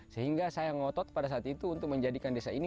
sehingga saya ngotot pada saat itu untuk menjadikan desa ini